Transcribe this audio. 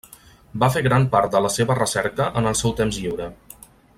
Va fer gran part de la seva recerca en el seu temps lliure.